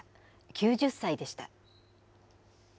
９０歳でした。